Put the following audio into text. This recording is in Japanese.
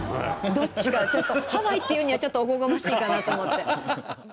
どっちかはちょっとハワイって言うにはちょっとおこがましいかなと思って。